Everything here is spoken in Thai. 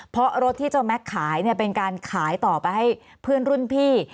เพราะรถที่เจ้าแม็กซ์ขายเนี่ยเป็นการขายต่อไปให้เพื่อนรุ่นพี่